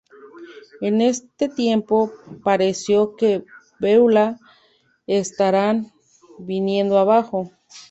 En este tiempo, pareció que Beulah estarán viniendo abajo.